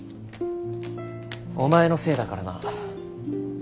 お前のせいだからな。